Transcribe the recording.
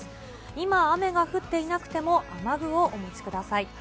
今、雨が降っていなくても、雨具をお持ちください。